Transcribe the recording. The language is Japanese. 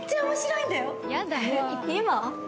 今？